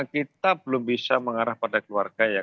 kita belum bisa mengarah pada keluarga ya